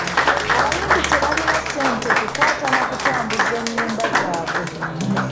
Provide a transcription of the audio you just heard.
Abayimbi tebalina ssente kukwata na kutambuza ennyimba zaabwe.